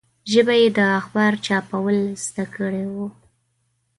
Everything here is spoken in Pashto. ژبه یې د اخبار چاپول زده کړي وو.